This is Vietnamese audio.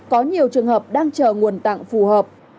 có nhiều trường hợp đang chờ nguồn tạng phù hợp